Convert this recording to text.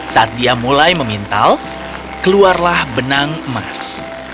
saat dia mulai memintal keluarlah benang emas